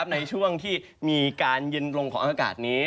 ในช่วงที่มีการเย็นลงของอากาศนี้